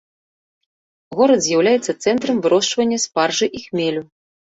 Горад з'яўляецца цэнтрам вырошчвання спаржы і хмелю.